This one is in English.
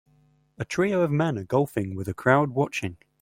A trio of men are golfing with a crowd watching.